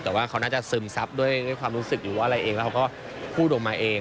แต่ว่าเขาน่าจะซึมซับด้วยความรู้สึกอยู่ว่าอะไรเองแล้วเขาก็พูดออกมาเอง